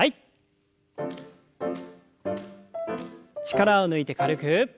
力を抜いて軽く。